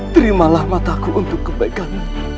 terimalah mataku untuk kebaikan